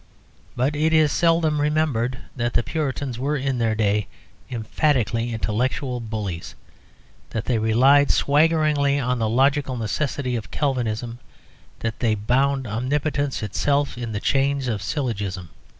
But it is seldom remembered that the Puritans were in their day emphatically intellectual bullies, that they relied swaggeringly on the logical necessity of Calvinism, that they bound omnipotence itself in the chains of syllogism.